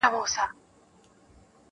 • څوک چي چړیانو ملایانو ته جامې ورکوي -